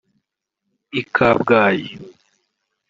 I Kabgayi